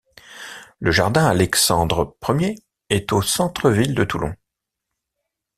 Le jardin Alexandre-I est au centre ville de Toulon.